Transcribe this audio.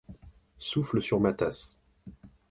Souffle sur ma tasse.